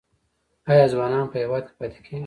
آیا ځوانان په هیواد کې پاتې کیږي؟